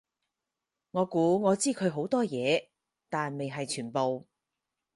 我估我知佢好多嘢，但未係全部